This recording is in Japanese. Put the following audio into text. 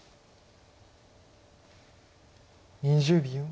２０秒。